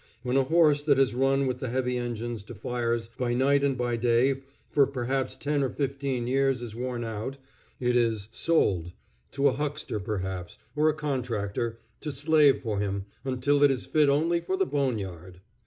When a horse that has run with the heavy engines to fires by night and by day for perhaps ten or fifteen years is worn out, it is sold, to a huckster, perhaps, or a contractor, to slave for him until it is fit only for the bone yard!